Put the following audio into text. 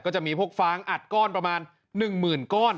จะมีพวกฟางอัดก้อนประมาณ๑๐๐๐ก้อน